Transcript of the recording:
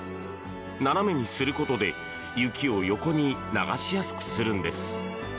斜めにすることで雪を横に流しやすくするんです。